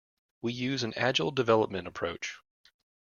We use an agile development approach.